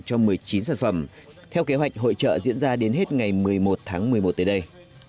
cho một mươi chín sản phẩm theo kế hoạch hội trợ diễn ra đến hết ngày một mươi một tháng một mươi một tới đây